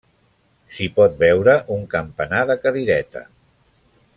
S'hi pot veure un campanar de cadireta.